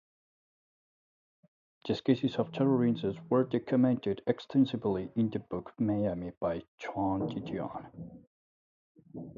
These cases of terrorism were documented extensively in the book "Miami" by Joan Didion.